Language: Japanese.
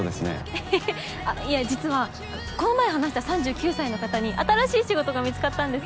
はははっあっいや実はこの前話した３９歳の方に新しい仕事が見つかったんです。